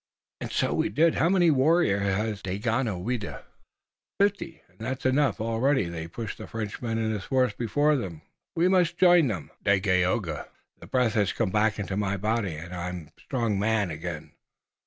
"And so we did. How many warriors has Daganoweda?" "Fifty, and that is enough. Already they push the Frenchman and his force before them. Come, we must join them, Dagaeoga. The breath has come back into my body and I am a strong man again!"